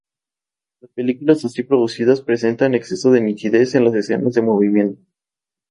Las películas así producidas presentan exceso de nitidez en las escenas de movimiento.